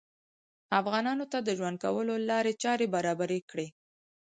افغانانو ته د ژوند کولو لارې چارې برابرې کړې